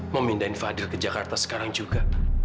mau pindahin fadil ke jakarta sekarang juga